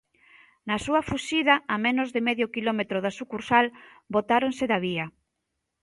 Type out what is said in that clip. Na súa fuxida, a menos de medio quilómetro da sucursal, botáronse da vía.